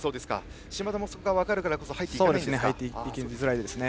嶋田もそこが分かるからこそ入っていきづらいですね。